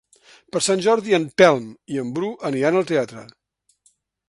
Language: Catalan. Per Sant Jordi en Telm i en Bru aniran al teatre.